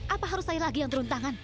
apa harus saya lagi yang turun tangan